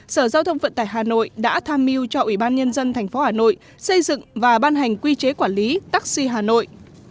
sở giao thông vận tải hà nội đã tham mưu cho ubnd thành phố hà nội xây dựng và ban hành quy chế quản lý taxi hà nội